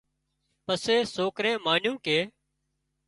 پسي سوڪري مانيون ڪي